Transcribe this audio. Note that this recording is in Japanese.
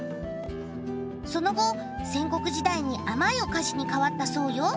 その後戦国時代に甘いお菓子に変わったそうよ。